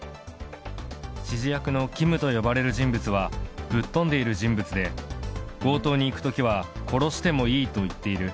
指示役のＫＩＭと呼ばれる人物は、ぶっ飛んでいる人物で、強盗に行くときは殺してもいいと言っている。